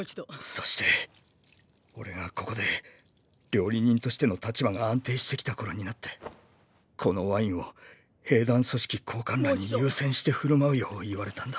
そして俺がここで料理人としての立場が安定してきた頃になってこのワインを兵団組織高官らに優先して振る舞うよう言われたんだ。